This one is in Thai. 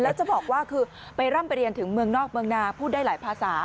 แล้วจะบอกว่าคือไปร่ำไปเรียนถึงเมืองนอกเมืองนาพูดได้หลายภาษา